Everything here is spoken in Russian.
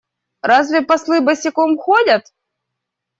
Разве послы босиком ходят?